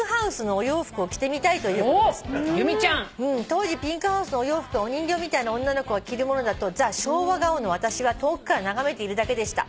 「当時ＰＩＮＫＨＯＵＳＥのお洋服はお人形みたいな女の子が着るものだとザ・昭和顔の私は遠くから眺めているだけでした」